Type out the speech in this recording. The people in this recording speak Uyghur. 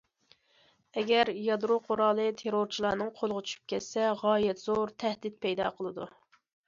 ئەگەر يادرو قورالى تېررورچىلارنىڭ قولىغا چۈشۈپ كەتسە، غايەت زور تەھدىت پەيدا قىلىدۇ.